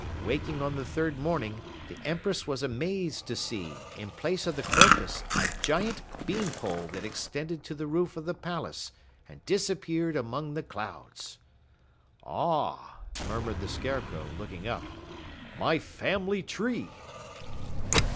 Waking on the third morning, the Empress was amazed to see in place of the crocus a giant bean pole that extended to the roof of the palace and disappeared among the clouds." "Ah!" murmured the Scarecrow, looking up, "My family tree!"